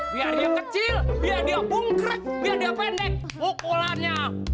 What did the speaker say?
biar dia kecil biar dia bungkrik biar dia pendek pokokannya maut